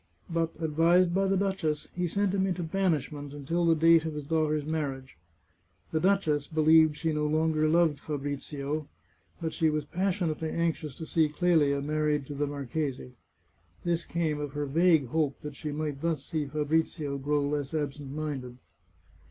But, advised by the duchess, he sent him into banishment until the date of his daughter's marriage. The duchess believed she no longer loved Fabrizio, but she was passionately anxious to see Clelia married to the marchese. This came of her vague hope that she might thus see Fabrizio grow less absent minded.